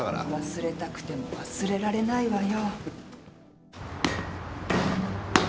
忘れたくても忘れられないわよ。